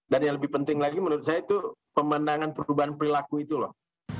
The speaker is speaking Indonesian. dan yang lebih penting lagi menurut saya itu pemandangan perubahan perilaku itu loh